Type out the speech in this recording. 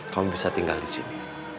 kamu bisa tinggal disini